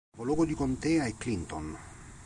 Il capoluogo di contea è Clinton.